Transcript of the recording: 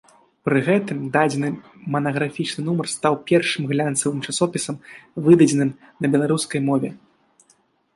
Пры гэтым дадзены манаграфічны нумар стаў першым глянцавым часопісам, выдадзеным на беларускай мове.